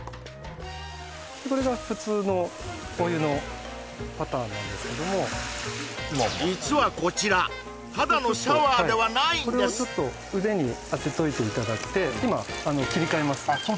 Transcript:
これが普通のお湯のパターンなんですけどもこちらこれをちょっと腕に当てといていただいて今切り替えますあっ